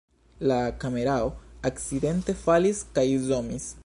La kamerao akcidente falis kaj zomis